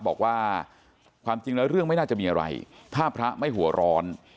บอกว่าความจริงแล้วเรื่องไม่น่าจะมีอะไรถ้าพระไม่หัวร้อน